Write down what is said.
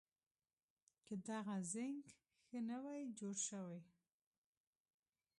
که دغه زېنک ښه نه وي جوړ شوي